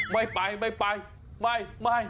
ไม่ไปไม่ไป